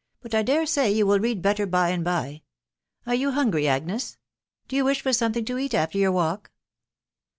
. but 1 dare say you will read better by avid by .... Are you hungry, Agnes ?.... do you wish for something to eat after your walk